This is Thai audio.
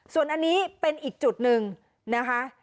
ส่วนอันนี้เป็นอีกจุดหนึ่งนะคะ